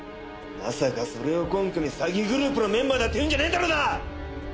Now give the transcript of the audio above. まさかそれを根拠に詐欺グループのメンバーだって言うんじゃねえだろうな！